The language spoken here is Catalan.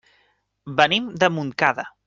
Venim de Montcada.